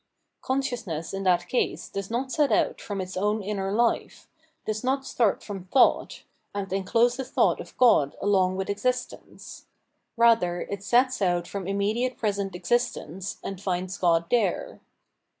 Consciousness in that case does not set out from its own inner life; does not start from thought, and enclose the thought of God along with existence; rather it sets out from im mediate present existence, and finds God there.